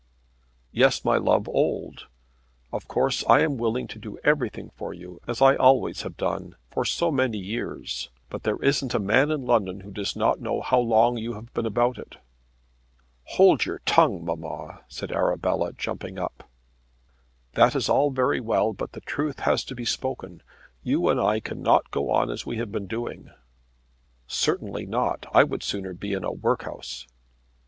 "Yes, my love, old. Of course I am willing to do everything for you, as I always have done, for so many years, but there isn't a man in London who does not know how long you have been about it." "Hold your tongue, mamma," said Arabella jumping up. "That is all very well, but the truth has to be spoken. You and I cannot go on as we have been doing." "Certainly not. I would sooner be in a workhouse."